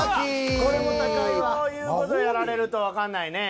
こういう事やられるとわかんないね。